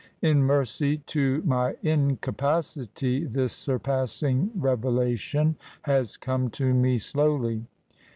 In mercy to my incapacity, this sur passing revelation has come to me slowly.